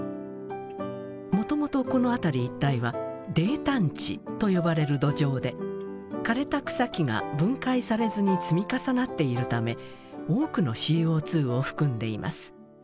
もともとこの辺り一帯は泥炭地と呼ばれる土壌で枯れた草木が分解されずに積み重なっているため多くのＣＯを含んでいます。